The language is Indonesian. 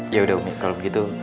yaudah umi kalau begitu